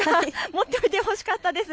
持っておいてほしかったです。